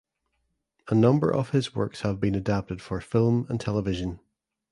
A number of his works have been adapted for film and television.